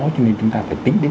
cho nên chúng ta phải tính đến